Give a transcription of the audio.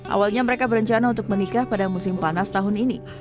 awalnya mereka berencana untuk menikah pada musim panas tahun ini